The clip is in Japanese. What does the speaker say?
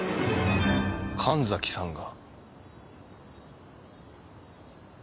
神崎さんが。